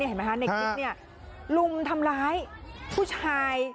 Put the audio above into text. เห็นไหมคะในคลิปเนี่ยลุมทำร้ายผู้ชาย